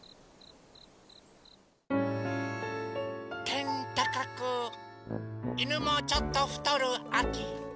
てんたかくいぬもちょっとふとるあき。